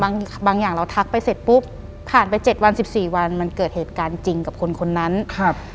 บางบางอย่างเราทักไปเสร็จปุ๊บผ่านไปเจ็ดวันสิบสี่วันมันเกิดเหตุการณ์จริงกับคนคนนั้นครับ